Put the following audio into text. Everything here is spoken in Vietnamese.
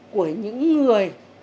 của những người